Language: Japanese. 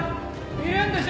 いるんでしょ？